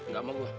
gak mau gue